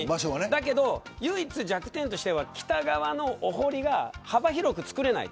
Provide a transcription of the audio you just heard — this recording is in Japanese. だけど唯一弱点として北側のお堀が幅広く造れない。